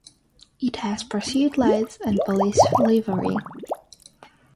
It has pursuit lights and police livery.